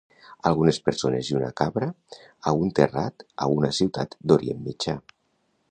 Algunes persones i una cabra a un terrat a una ciutat d'Orient Mitjà.